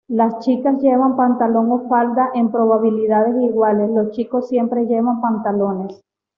Las chicas llevan pantalón o falda en probabilidades iguales; los chicos siempre llevan pantalones.